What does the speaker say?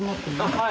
はい。